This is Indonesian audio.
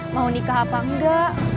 mau nikah apa enggak